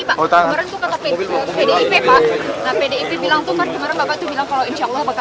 nah pdip bilang tuh kan kemarin bapak tuh bilang kalau insya allah bakal tetap ambil lagi dari pdip